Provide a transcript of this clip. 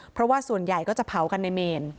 เพราะว่าส่วนใหญ่ก็จะเผากันในเมน